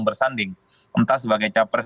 bersanding entah sebagai cawapres